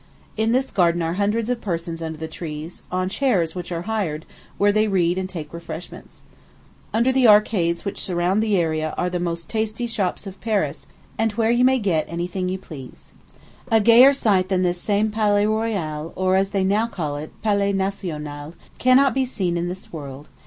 In this garden are hundreds of persons under the trees, on chairs, which are hired, where they read and take refreshments. Under the arcades which surround the area are the most tasty shops of Paris, and where you may get any thing you please. A gayer sight than this same Palais Royal, or, as they now call it, Palais National, cannot be seen in this world.